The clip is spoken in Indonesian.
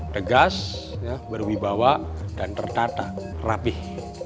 tegas berwibawa dan tertata rapih